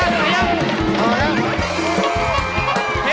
สะเย็บ